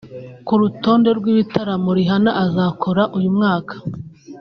Ku rutonde rw’ibitaramo Rihanna azakora uyu mwaka